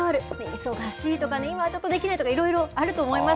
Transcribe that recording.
忙しいとかね、今はちょっとできないとか、いろいろあると思います。